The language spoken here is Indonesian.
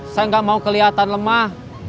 saya nggak mau kelihatan lemah